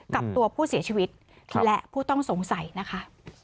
กับตัวผู้เสียชีวิตและผู้ต้องสงสัยนะคะ